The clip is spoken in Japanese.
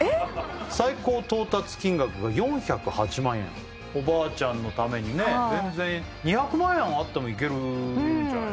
最高到達金額が４０８万円おばあちゃんのためにね全然２００万円あってもいけるんじゃないですか？